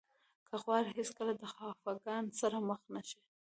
که غواړئ هېڅکله د خفګان سره مخ نه شئ.